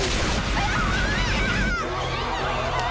うわ！